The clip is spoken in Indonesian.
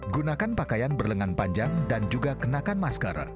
gunakan pakaian berlengan panjang dan juga kenakan masker